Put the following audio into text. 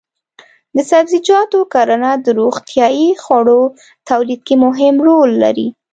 د سبزیجاتو کرنه د روغتیايي خوړو تولید کې مهم رول لري.